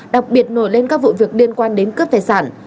đặc biệt nổi lên các vụ việc liên quan đến cướp tài sản